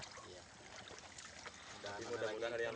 tapi mudah mudahan harian itu besar lagi